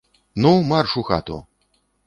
Ну, марш у хату.